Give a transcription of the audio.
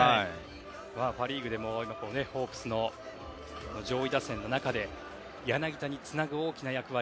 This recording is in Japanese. パ・リーグでもホークスの上位打線の中で柳田につなぐ大きな役割。